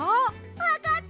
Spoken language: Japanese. わかった！